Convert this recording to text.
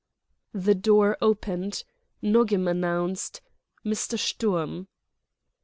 The door opened, Nogam announced: "Mr. Sturm."